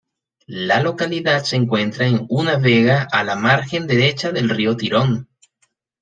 La localidad se encuentra en una vega a la margen derecha del río Tirón.